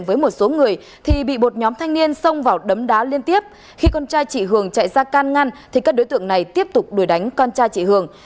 khi bị bột nhóm thanh niên xông vào đấm đá liên tiếp khi con trai chị hường chạy ra can ngăn thì các đối tượng này tiếp tục đuổi đánh con trai chị hường